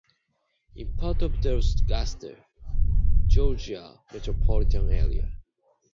It is part of the Augusta, Georgia metropolitan area.